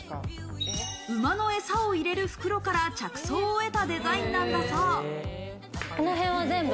馬のエサを入れる袋から着想を得たデザインなんだそう。